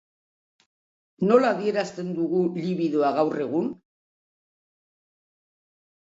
Nola adierazten dugu libidoa gaur egun?